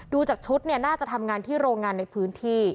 จากชุดเนี่ยน่าจะทำงานที่โรงงานในพื้นที่